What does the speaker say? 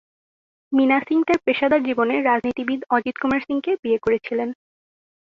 মিনা সিং তার পেশাদার জীবনে রাজনীতিবিদ অজিত কুমার সিংকে বিয়ে করেছিলেন।